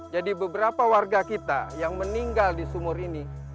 beberapa warga kita yang meninggal di sumur ini